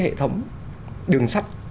hệ thống đường sắt